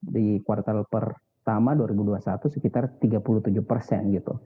di kuartal pertama dua ribu dua puluh satu sekitar tiga puluh tujuh persen gitu